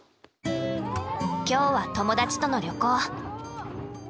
今日は友達との旅行。